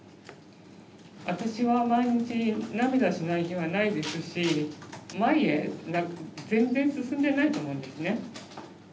私は毎日涙しない日はないですし前へ全然進んでないと思うんですね。